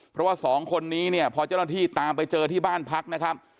เพราะว่าสองคนนี้เนี่ยพอเจ้าหน้าที่ตามไปเจอที่บ้านพักนะครับ